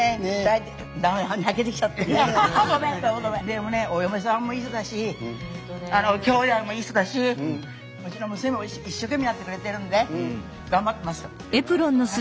でもねお嫁さんもいい人だしきょうだいもいい人だしうちの娘も一生懸命やってくれてるので頑張ってますよ。